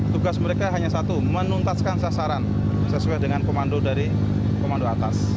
tugas mereka hanya satu menuntaskan sasaran sesuai dengan komando dari komando atas